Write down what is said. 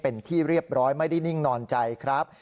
เป็นที่เรียบร้อยไม่ได้นิ่งนอนใจครับ